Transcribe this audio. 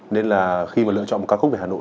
nên là khi mà lựa chọn một ca khúc về hà nội